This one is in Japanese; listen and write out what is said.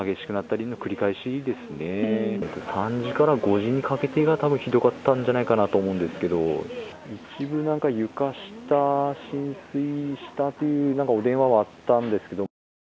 午前３時から５時にかけてがたぶんひどかったんじゃないかと思うんですけれども、一部、なんか床下浸水したという、なんかお電話はあったんですけれども。